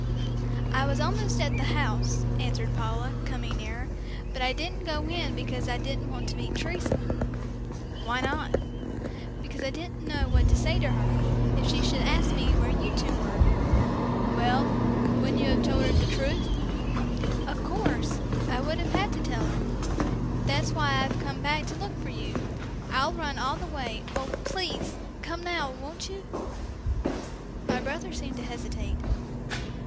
"I was almost at the house," answered Paula, coming nearer, "but I didn't go in because I didn't want to meet Teresa." "Why not?" "Because I didn't know what to say to her, if she should ask me where you two were." "Well, wouldn't you have told her the truth?" "Of course, I would have had to tell her. That's why I've come back to look for you. I've run all the way. Oh, please, come now; won't you?" My brother seemed to hesitate.